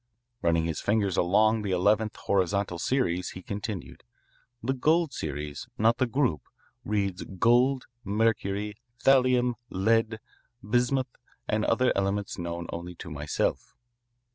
Running his finger along the eleventh, horizontal series, he continued: "The gold series not the group reads gold, mercury, thallium, lead, bismuth, and other elements known only to myself.